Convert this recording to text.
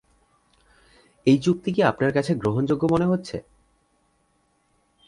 এই যুক্তি কি আপনার কাছে গ্রহণযোগ্য মনে হচ্ছে?